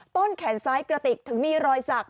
ต้นแขนซ้ายกระติกถึงมีรอยสัก